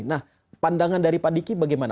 nah pandangan dari pak diki bagaimana